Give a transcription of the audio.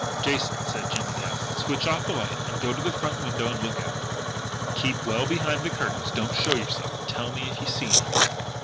"Jason," said Jimmie Dale, "switch off the light, and go to the front window and look out. Keep well behind the curtains. Don't show yourself. Tell me if you see anything."